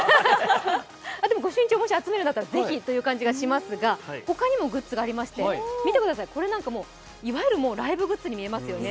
でも御朱印帳を集めるんだったらぜひという感じがしますが、他にもグッズがありまして、見てください、これなんかいわゆるライブグッズに見えますよね。